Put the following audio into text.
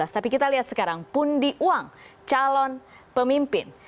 tapi kita lihat sekarang pundi uang calon pemimpin